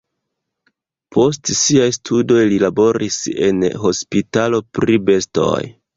Post siaj studoj li laboris en hospitalo pri bestoj.